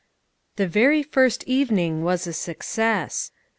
The very first evening was a success.